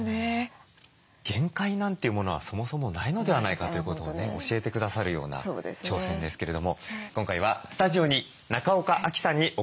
限界なんていうものはそもそもないのではないかということをね教えてくださるような挑戦ですけれども今回はスタジオに中岡亜希さんにお越し頂きました。